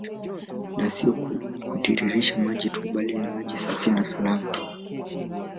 Na sio kutiririsha maji tu bali ni maji safi na salama